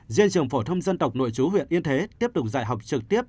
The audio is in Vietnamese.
riêng trường phổ thông dân tộc nội chú huyện yên thế tiếp tục dạy học trực tiếp